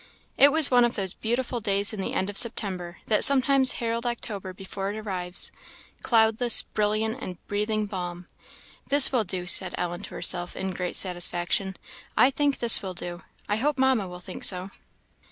It was one of those beautiful days in the end of September, that sometimes herald October before it arrives cloudless, brilliant, and breathing balm. "This will do," said Ellen to herself, in great satisfaction "I think this will do I hope Mamma will think so."